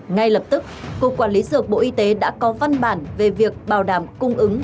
ngay lập tức cục quản lý dược bộ y tế đã có văn bản về việc bảo đảm cung ứng